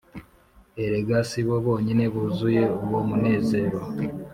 Erega sibo bonyine buzuye uwo munezero